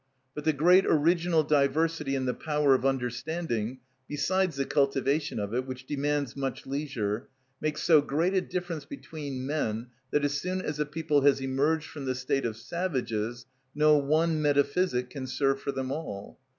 But the great original diversity in the power of understanding, besides the cultivation of it, which demands much leisure, makes so great a difference between men, that as soon as a people has emerged from the state of savages, no one metaphysic can serve for them all.